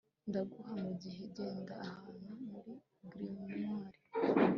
ndahuha mugihe ngenda ahantu muri grimoire